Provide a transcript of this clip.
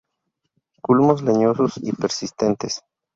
Culmos leñosos y persistentes.